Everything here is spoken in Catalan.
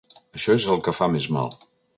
Això és el que fa més mal.